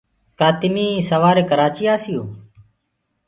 ڪآ تميٚ سواري ڪرآچيٚ آسيو۔